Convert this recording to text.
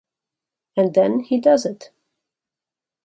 And then he does it.